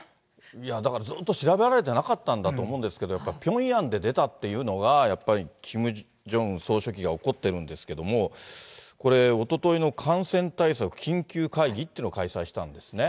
いや、だから、ずっと調べられてなかったんだと思いますけど、やっぱりピョンヤンで出たっていうのが、やっぱりキム・ジョンウン総書記が怒ってるんですけども、これ、おとといの感染対策緊急会議っていうのを開催したんですね。